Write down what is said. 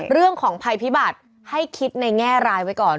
เรื่องของภัยพิบัติให้คิดในแง่รายไว้ก่อน